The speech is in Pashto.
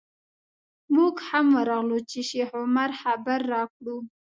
موږ هم ورغلو چې شیخ عمر خبر راکړو.